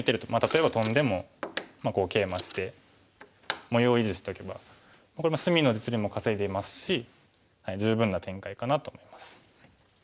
例えばトンでもケイマして模様を維持しとけばこれ隅の実利も稼いでいますし十分な展開かなと思います。